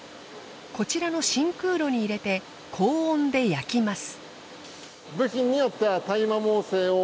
こちらの真空炉に入れて高温で焼きます。